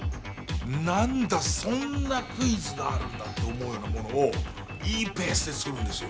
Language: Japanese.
何だそんなクイズがあるんだって思うようなものをいいペースで作るんですよ。